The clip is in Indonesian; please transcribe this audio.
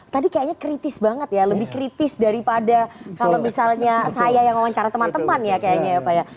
tadi kayaknya kritis banget ya lebih kritis daripada kalau misalnya saya yang wawancara teman teman ya kayaknya ya pak ya